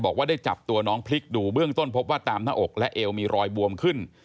บอกว่าได้จับตัวน้องพลิกดูเบื้องต้นพบว่าตามหน้าอกและเอวมีรอยบวมขึ้น